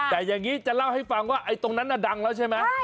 แต่อย่างนี้จะเล่าให้ฟังว่าไอ้ตรงนั้นน่ะดังแล้วใช่ไหม